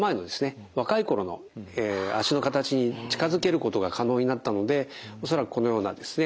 若い頃の脚の形に近づけることが可能になったので恐らくこのようなですね